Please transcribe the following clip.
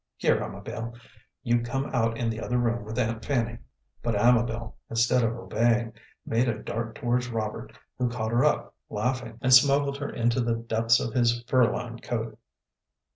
Here, Amabel, you come out in the other room with Aunt Fanny." But Amabel, instead of obeying, made a dart towards Robert, who caught her up, laughing, and smuggled her into the depths of his fur lined coat.